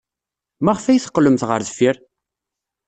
Maɣef ay teqqlemt ɣer deffir?